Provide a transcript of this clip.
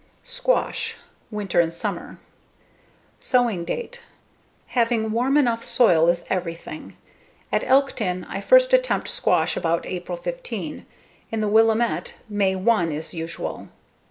Squash, Winter and Summer Sowing date: Having warm enough soil is everything. At Elkton I first attempt squash about April 15. In the Willamette, May 1 is usual.